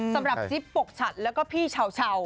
สำหรับชิภบปกชาติแล้วก็พี่เฉา